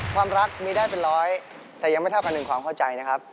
ความรักมีได้เป็นร้อยแต่ยังไม่เท่ากันถึงความเข้าใจนะครับ